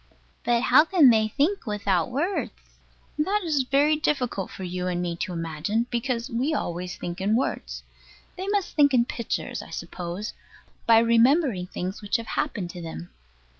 But how can they think without words? That is very difficult for you and me to imagine, because we always think in words. They must think in pictures, I suppose, by remembering things which have happened to them.